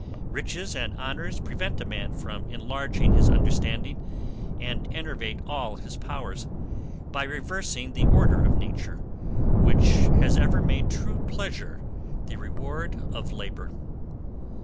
Riches and honours prevent a man from enlarging his understanding, and enervate all his powers, by reversing the order of nature, which has ever made true pleasure the reward of labour.